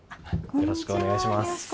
よろしくお願いします。